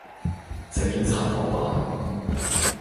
請檢查貨品